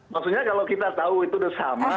maksudnya kalau kita tahu itu sudah sama